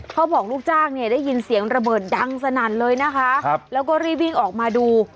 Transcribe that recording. ลูกจ้างเนี่ยได้ยินเสียงระเบิดดังสนั่นเลยนะคะแล้วก็รีบวิ่งออกมาดู